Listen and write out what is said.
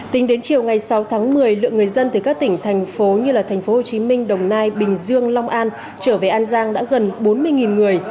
tính đến chiều ngày sáu tháng một mươi lượng người dân từ các tỉnh thành phố như là thành phố hồ chí minh đồng nai bình dương long an trở về an giang đã gần bốn mươi người